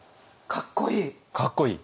かっこいい？